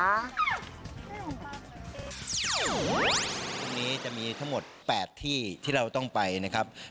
ตรงนี้จะมีทั้งหมด๘ที่ที่เราต้องไปนะครับ